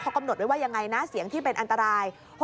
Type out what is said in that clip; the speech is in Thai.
กำหนดไว้ว่ายังไงนะเสียงที่เป็นอันตราย